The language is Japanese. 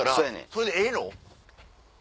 それでええの？